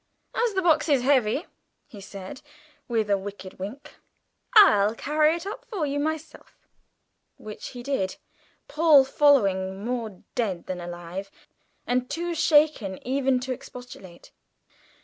"As the box is heavy," he said, with a wicked wink, "I'll carry it up for you myself," which he did, Paul following, more dead than alive, and too shaken even to expostulate.